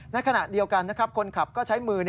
ในขณะเดียวกันคนขับก็ใช้มือ